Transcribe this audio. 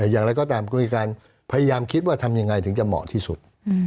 อย่างไรก็ตามคุยกันพยายามคิดว่าทำยังไงถึงจะเหมาะที่สุด